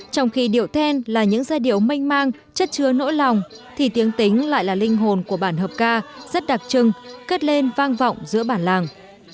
trong khi điệu then là những giai điệu mênh mang chất chứa nỗi lòng thì tiếng tính lại là linh hồn của bản hợp ca rất đặc trưng cất lên vang vọng giữa bản làng